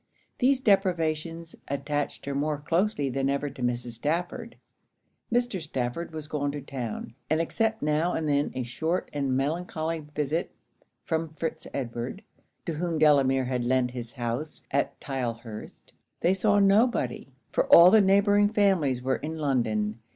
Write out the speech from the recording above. These deprivations attached her more closely than ever to Mrs. Stafford. Mr. Stafford was gone to town; and except now and then a short and melancholy visit from Fitz Edward, to whom Delamere had lent his house at Tylehurst, they saw nobody; for all the neighbouring families were in London.